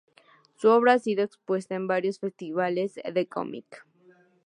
Su obra ha sido expuesta en varios festivales de cómic.